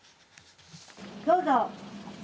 どうぞ。